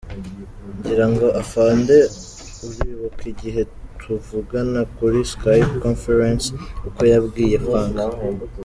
Ngirango Afande uribuka igihe tuvugana kuri Skype conference, uko yabwiye Frank.